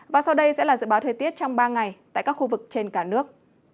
và sau đây sẽ là dự báo thời tiết trong ba ngày tại các khu vực trên cả nước